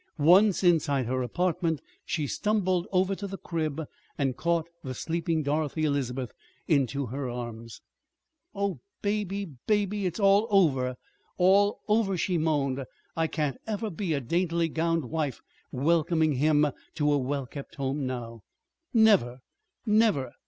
Once inside her apartment she stumbled over to the crib and caught the sleeping Dorothy Elizabeth into her arms. "Oh, Baby, Baby, it's all over all over," she moaned. "I can't ever be a daintily gowned wife welcoming him to a well kept home now. Never never!